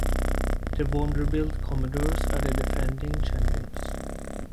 The Vanderbilt Commodores are the defending champions.